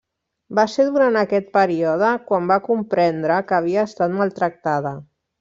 Va ser durant aquest període quan va comprendre que havia estat maltractada.